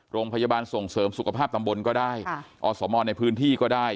โรงพยาบาลส่งเสริมสุขภาพตำบลก็ได้อสมในพื้นที่ก็ได้